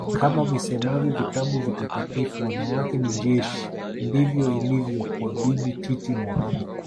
Kama visemavyo vitabu vitakatifu wanawake ni jeshi ndivyo ilivyo kwa Bibi Titi Mohamed